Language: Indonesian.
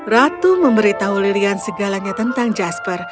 ratu memberitahu lilian segalanya tentang jasper